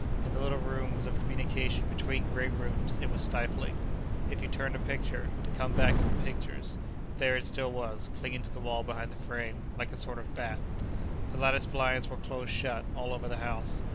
In the little rooms of communication between great rooms, it was stifling. If you turned a picture—to come back to the pictures—there it still was, clinging to the wall behind the frame, like a sort of bat. The lattice blinds were close shut, all over the house.